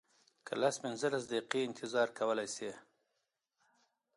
که لس پنځلس دقیقې انتظار کولی شې.